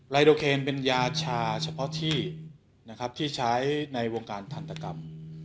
ไลโดเคนเป็นยาชาเฉพาะที่ใช้ในวงการถันตกรรม